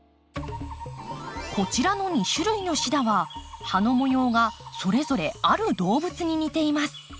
こちらの２種類のシダは葉の模様がそれぞれある動物に似ています。